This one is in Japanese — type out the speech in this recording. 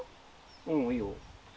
うんいいよ。